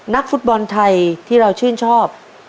นักฟุตบอลไทยที่เราชื่นชอบ